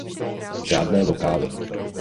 Žádné vokály.